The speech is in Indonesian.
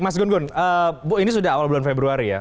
mas gun gun bu ini sudah awal bulan februari ya